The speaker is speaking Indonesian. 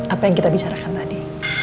apa yang kita bicarakan tadi